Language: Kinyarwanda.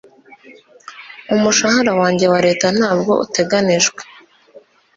umushahara wanjye wa leta ntabwo uteganijwe